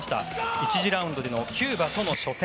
１次ラウンドでのキューバとの初戦。